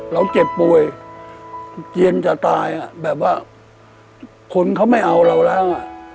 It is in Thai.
เราเจ็บป่วยเจียนจะตายอ่ะแบบว่าคนเขาไม่เอาเราแล้ว